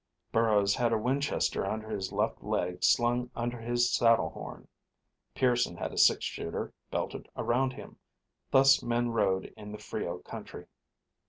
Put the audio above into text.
Burrows had a Winchester under his left leg slung over his saddle horn. Pearson had a six shooter belted around him. Thus men rode in the Frio country.